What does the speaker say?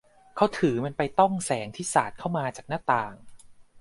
เขาถือมันไปต้องแสงที่สาดเข้ามาจากหน้าต่าง